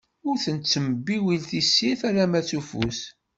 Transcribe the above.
Ur tettembiwil tessirt, alamma s ufus.